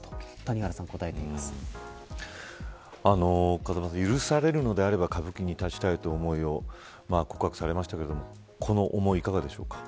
風間さん、許さるのであれば歌舞伎に立ちたいという思いを告白されましたけれどもこの思い、いかがでしょうか。